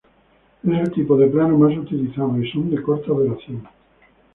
Es el tipo de plano más utilizado y son de corta duración.